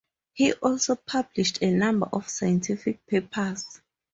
He also published a number of scientific papers.